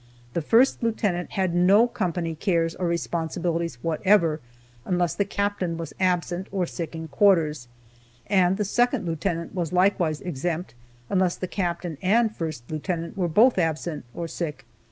The first lieutenant had no company cares or responsibilities whatever, unless the captain was absent, or sick in quarters, and the second lieutenant was likewise exempt, unless the captain and first lieutenant were both absent, or sick.